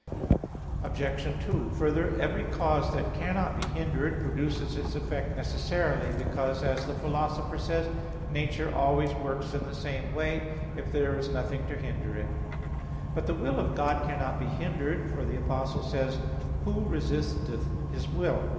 Obj. 2: Further, every cause that cannot be hindered, produces its effect necessarily, because, as the Philosopher says (Phys. ii, 84) "Nature always works in the same way, if there is nothing to hinder it." But the will of God cannot be hindered. For the Apostle says (Rom. 9:19): "Who resisteth His will?"